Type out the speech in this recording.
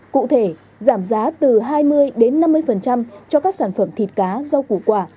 cụ thể giảm giá từ hai mươi đến năm mươi cho các sản phẩm thịt cá rau củ quả